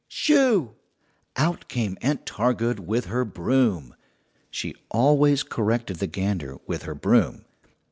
"Shoo!" Out came Aunt Targood with her broom. She always corrected the gander with her broom.